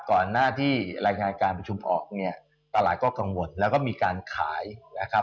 ก่อนหน้าที่รายงานการประชุมออกเนี่ยตลาดก็กังวลแล้วก็มีการขายนะครับ